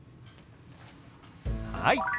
はい。